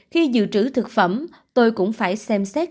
khi dự trữ thực phẩm tôi cũng phải xem xét